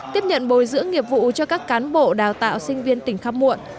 tiếp nhận bồi dưỡng nghiệp vụ cho các cán bộ đào tạo sinh viên tỉnh khăm muộn